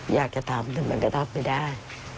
อยากจะทำแต่มันก็ทำไม่ได้